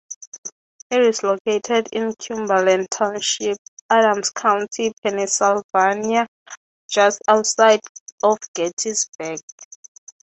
It is located in Cumberland Township, Adams County, Pennsylvania, just outside of Gettysburg.